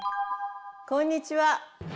こんにちは。